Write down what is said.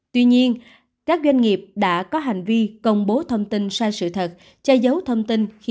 tuy nhiên các doanh nghiệp đã có hành vi công bố thông tin sai sự thật che giấu thông tin